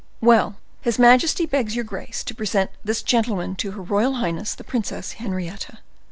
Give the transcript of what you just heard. "Well, his majesty begs your grace to present this gentleman to her royal highness the Princess Henrietta."